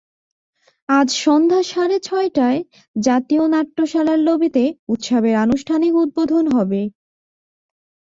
আজ সন্ধ্যা সাড়ে ছয়টায় জাতীয় নাট্যশালার লবিতে উৎসবের আনুষ্ঠানিক উদ্বোধন হবে।